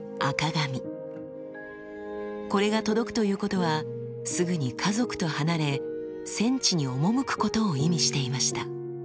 これが届くということはすぐに家族と離れ戦地に赴くことを意味していました。